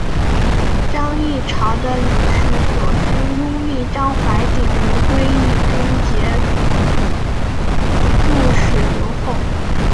张议潮的女婿索勋拥立张淮鼎为归义军节度使留后。